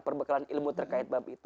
perbekalan ilmu terkait